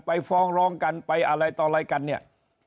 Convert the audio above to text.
ฟ้องร้องกันไปอะไรต่ออะไรกันเนี่ย